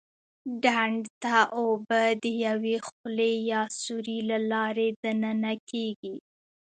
ډنډ ته اوبه د یوې خولې یا سوري له لارې دننه کېږي.